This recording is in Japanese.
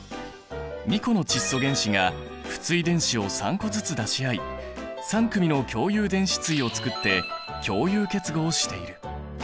２個の窒素原子が不対電子を３個ずつ出し合い３組の共有電子対をつくって共有結合している。